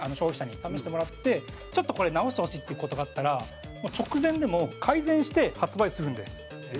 試してもらってちょっと、これ、直してほしいっていう事があったら直前でも改善して発売するんです。